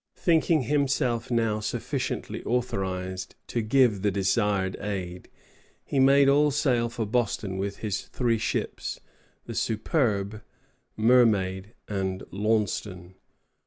Thinking himself now sufficiently authorized to give the desired aid, he made all sail for Boston with his three ships, the "Superbe," "Mermaid," and "Launceston."